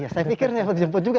saya pikir saya mau dijemput juga